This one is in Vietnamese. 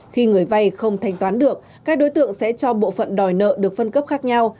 khi người vay không thanh toán được các đối tượng sẽ cho bộ phận đòi nợ được phân cấp khác nhau